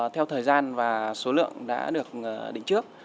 theo thời gian và số lượng đã được định trước